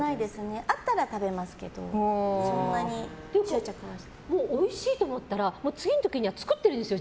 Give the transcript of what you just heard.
あったら食べますけどおいしいと思ったら次の時には作ってるんですよ